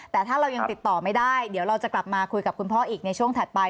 แต่ถ้าเรายังติดต่อไม่ได้เดี๋ยวเราจะกลับมาคุยกับคุณพ่ออีกในช่วงถัดไป